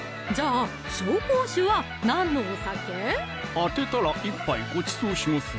当てたら１杯ごちそうしますよ